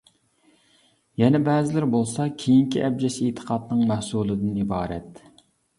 يەنە بەزىلىرى بولسا كېيىنكى ئەبجەش ئېتىقادنىڭ مەھسۇلىدىن ئىبارەت.